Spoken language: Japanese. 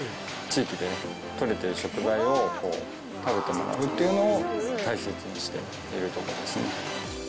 地域で取れてる食材を食べてもらうというのを大切にしているところですね。